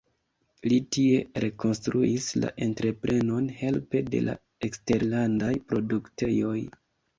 Li tie rekonstruis la entreprenon helpe de la eksterlandaj produktejoj.